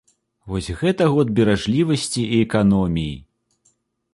Вось гэта год беражлівасці і эканоміі!